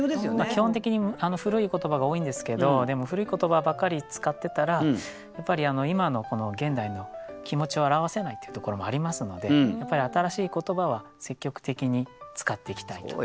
基本的に古い言葉が多いんですけどでも古い言葉ばかり使ってたらやっぱり今のこの現代の気持ちを表せないっていうところもありますのでやっぱり新しい言葉は積極的に使っていきたいと。